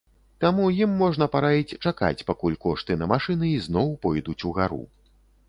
Таму ім можна параіць чакаць, пакуль кошты на машыны ізноў пойдуць у гару.